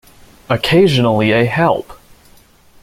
Occasionally a Help!